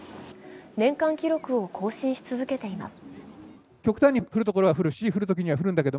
年間記録を更新し続けています。